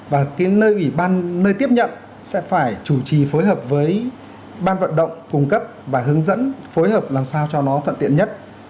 và cái nơi ủy ban nơi tiếp nhận sẽ phải chủ trì phối hợp với ban vận động cung cấp và hướng dẫn phối hợp làm sao cho nó thuận tiện nhất